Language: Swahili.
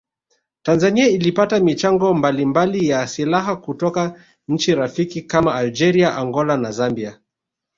Tanzani ilipata michango mbalimbali ya silaha kutoka nchi rafiki kama Algeria Angola na Zambia